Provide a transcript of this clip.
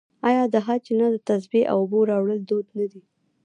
آیا د حج نه د تسبیح او اوبو راوړل دود نه دی؟